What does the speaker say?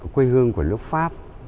quê hương của nước pháp